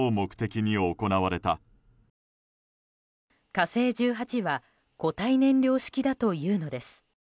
「火星１８」は固体燃料式だというのです。